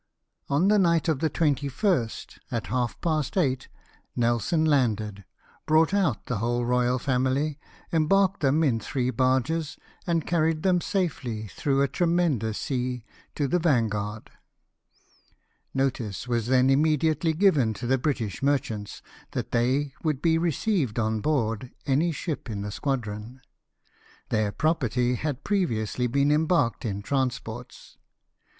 ^)n the night of the 21st, at half past eight, Nelson landed, brought out the whole royal family, embarked them in three barges, and carried them safely, through a tremendous sea, to the Van f/uarii. Notice was then immediately given to the British merchants, that they would be received on board any ship in the squadron. Their property had previously been embarked in transports.